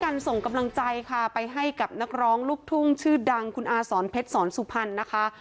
การส่งกำลังใจค่ะไปให้กับนักร้องลูกทุ่งชื่อดังคุณอาศรเพชรสวรรค์สุภัณฑ์นะคะ